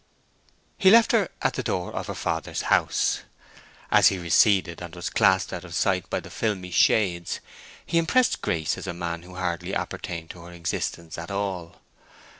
He left her at the door of her father's house. As he receded, and was clasped out of sight by the filmy shades, he impressed Grace as a man who hardly appertained to her existence at all.